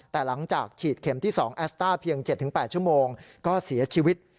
แต่หลังจากฉีดเข็มที่๒แอสต้าเพียง๗๘ชั่วโมงก็เสียชีวิต